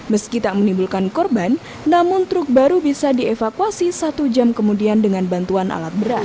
meski tak menimbulkan korban namun truk baru bisa dievakuasi satu jam kemudian dengan bantuan alat berat